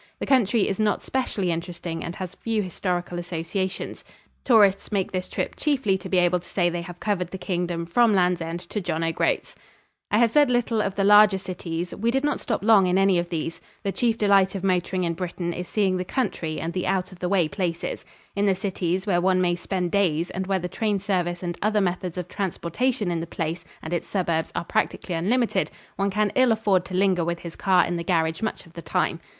The country is not specially interesting and has few historical associations. Tourists make this trip chiefly to be able to say they have covered the Kingdom from Lands End to John O' Groats. [Illustration: THE CALEDONIAN COAST. From Painting by D. Sherrin.] I have said little of the larger cities we did not stop long in any of these. The chief delight of motoring in Britain is seeing the country and the out of the way places. In the cities, where one may spend days and where the train service and other methods of transportation in the place and its suburbs are practically unlimited, one can ill afford to linger with his car in the garage much of the time.